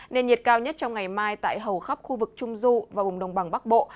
nền nhiệt cao nhất trong ngày mai tại hầu khắp khu vực trung du và vùng đồng bằng bắc bộ